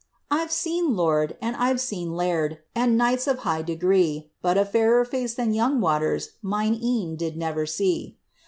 * I Ve seen lord, and I 've seen laird, And knights of high degree. But a fairer face than young Waters Mine e*en did never see.